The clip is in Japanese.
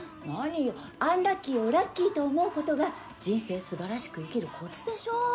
なによアンラッキーをラッキーと思うことが人生すばらしく生きるコツでしょ？